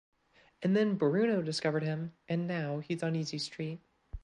And then Bruno discovered him and now he’s on Easy Street.